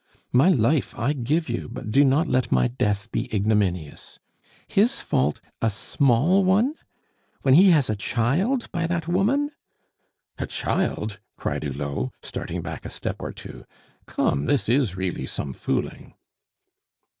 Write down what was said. My life I give you, but do not let my death be ignominious! His fault? A small one! When he has a child by that woman!" "A child!" cried Hulot, starting back a step or two. "Come. This is really some fooling."